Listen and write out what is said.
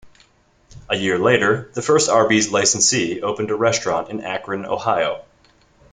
A year later, the first Arby's licensee opened a restaurant in Akron, Ohio.